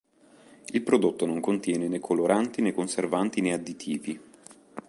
Il prodotto non contiene né coloranti, né conservanti, né additivi.